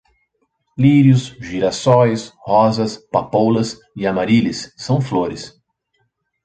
Lírios, girassóis, rosas, papoulas e Amarílis são flores